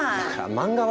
漫画は？